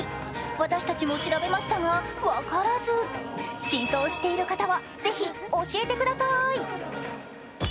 私たちも調べましたが、分からず真相を知っている方はぜひ教えてください。